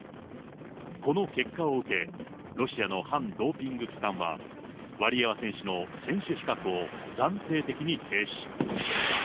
この結果を受け、ロシアの反ドーピング機関は、ワリエワ選手の選手資格を暫定的に停止。